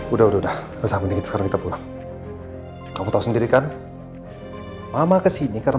udah udah udah sampai sekarang kita pulang kamu tahu sendiri kan mama kesini karena